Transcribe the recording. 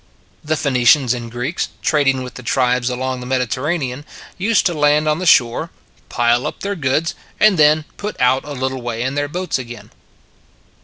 The Phoenicians and Greeks, trading with the tribes along the Mediterranean, used to land on the shore, pile up their goods, and then put out a little way in their boats again.